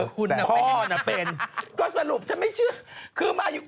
คุณนะพ่อหน่ะเป็น